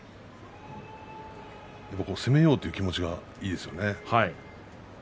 攻めようという気持ちがいいですね。